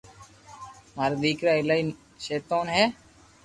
مارا ديڪرا ايلائي ݾيطئن ھي